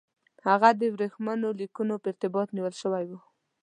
هغه د ورېښمینو لیکونو په ارتباط نیول شوی وو.